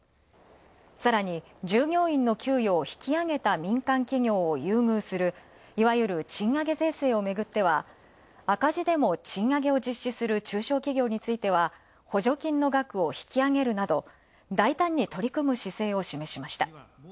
さらに従業員の給与を引き上げた民間企業を優遇するいわゆる賃上げ税制をめぐっては赤字でも賃上げを実施する中小企業については補助金の額を引き上げるなど、大胆に取り組む姿勢を示しました。